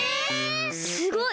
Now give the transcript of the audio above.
すごい！